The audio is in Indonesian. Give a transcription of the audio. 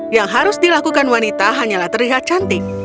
yang harus dilakukan wanita hanyalah terlihat cantik